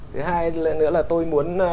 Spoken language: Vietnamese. thứ hai nữa là tôi muốn